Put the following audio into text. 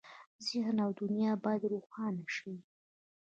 ذهن او دنیا باید روښانه شي.